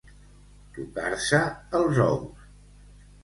Tocar-se els ous.